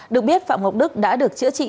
được biết phạm ngọc đức đã được chữa trị